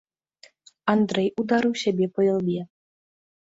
Андрэй ударыў сябе па ілбе.